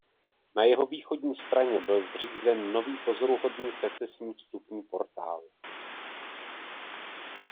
Na jeho východní straně byl zřízen nový pozoruhodný secesní vstupní portál.